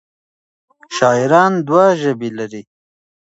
شاعران دوه ژبې لري.